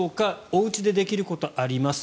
おうちでできること、あります。